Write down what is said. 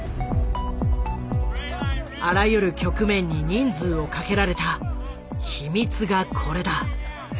あらゆる局面に人数をかけられた秘密がこれだ。